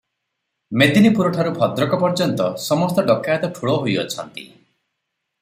ମେଦିନିପୁରଠାରୁ ଭଦ୍ରକ ପର୍ଯ୍ୟନ୍ତ ସମସ୍ତ ଡକାଏତ ଠୁଳ ହୋଇଅଛନ୍ତି ।